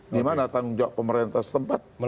di mana tanggung jawab pemerintah setempat